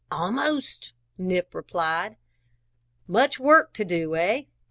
"Almost," Nip replied. "Much work to do, eh?"